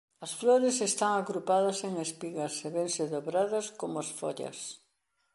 As flores están agrupadas en espigas e vense dobradas como as follas.